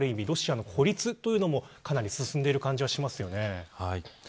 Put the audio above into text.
ロシアの孤立というのもかなり進んでいる感じがしますね。